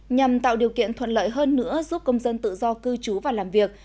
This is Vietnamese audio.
nhằm tạo điều kiện thuận lợi hơn nữa giúp công dân tự do cư trú và làm việc